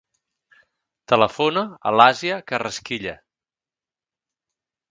Telefona a l'Àsia Carrasquilla.